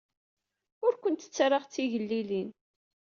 Ur kent-ttarraɣ d tigellilin.